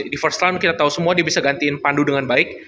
di first time kita tahu semua dia bisa gantiin pandu dengan baik